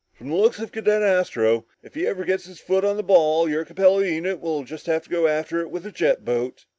"From the looks of Cadet Astro, if he ever gets his foot on the ball, your Capella unit will have to go after it with a jet boat."